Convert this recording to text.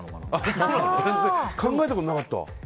考えたことなかった。